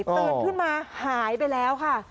ตื่นขึ้นมาหายไปแล้วค่ะ